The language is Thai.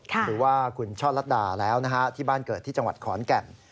หรือว่าคุณช่อลัดดาแล้วที่บ้านเกิดที่จังหวัดขอนแก่น